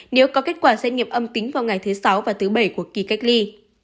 nếu có kết quả xét nghiệm âm tính vào ngày thứ sáu và thứ bảy của kỳ cách ly